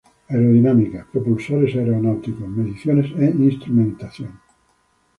Aerodinámica, Propulsores Aeronáuticos, Mediciones e Instrumentación.